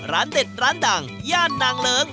ร้านเด็ดร้านดังย่านนางเลิ้ง